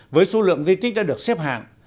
với số lượng di tích đã được xếp hạng